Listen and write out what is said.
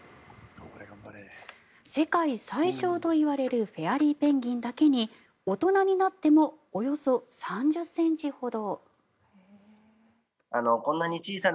世界最小といわれるフェアリーペンギンだけに大人になってもおよそ３０ｃｍほど。